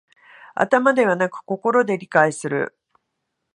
頭ではなく心で理解する